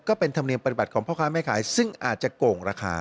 ก็เป็นธรรมเนียมปฏิบัติของพ่อค้าแม่ขายซึ่งอาจจะโก่งราคา